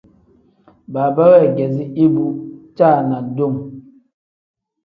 Baaba weegeezi ibu caanadom.